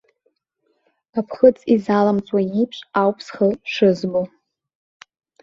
Аԥхыӡ изалымҵуа иеиԥш ауп схы шызбо.